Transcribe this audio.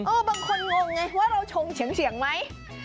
เออบางคนงงไงว่าเราชงเฉียงเฉียงไหม